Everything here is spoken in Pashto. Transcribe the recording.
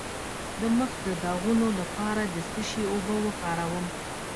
د مخ د داغونو لپاره د څه شي اوبه وکاروم؟